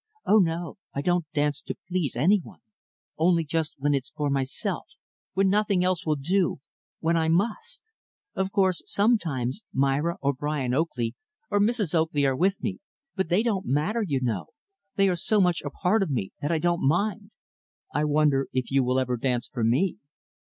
"Oh, no I don't dance to please any one only just when it's for myself when nothing else will do when I must. Of course, sometimes, Myra or Brian Oakley or Mrs. Oakley are with me but they don't matter, you know. They are so much a part of me that I don't mind." "I wonder if you will ever dance for me?"